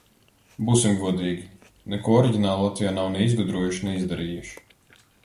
Būsim godīgi. Neko oriģinālu Latvijā nav ne izgudrojuši, ne izdarījuši.